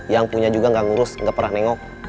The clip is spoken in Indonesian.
yang punya juga gak ngurus nggak pernah nengok